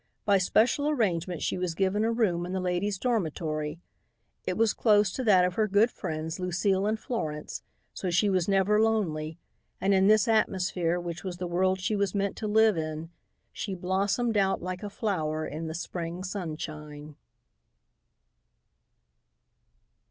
By special arrangement she was given a room in the ladies' dormitory. It was close to that of her good friends, Lucile and Florence, so she was never lonely, and in this atmosphere which was the world she was meant to live in she blossomed out like a flower in the spring sunshine.